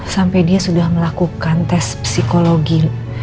sampai dia sudah melakukan tes psikologi